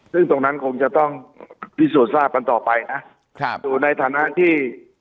ซึ่งตรงนั้นคงจะต้องพิสูจน์ทราบกันต่อไปนะครับอยู่ในฐานะที่